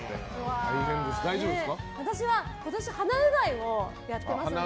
私は鼻うがいをやっていますので。